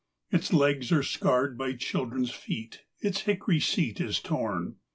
Its legs are scarred by children's feet; its hickory seat is torn.